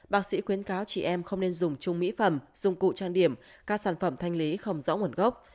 bác sĩ khuyến cáo chị em không nên dùng chung mỹ phẩm dụng cụ trang điểm các sản phẩm thanh lý không rõ nguồn gốc